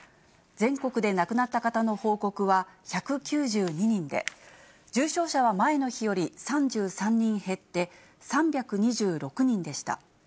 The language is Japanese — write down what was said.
全国で亡くなった方の報告は１９２人で、重症者は前の日より３３人減って３２６人でした。